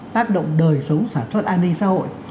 tác động đời sống sản xuất an ninh xã hội